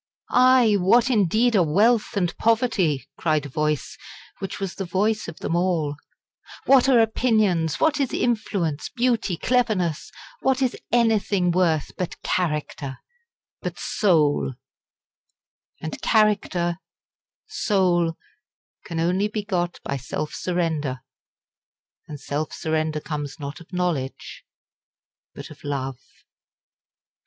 "Aye! what, indeed, are wealth and poverty?" cried a voice, which was the voice of them all; "what are opinions what is influence, beauty, cleverness? what is anything worth but character but soul?" And character soul can only be got by self surrender; and self surrender comes not of knowledge but of love.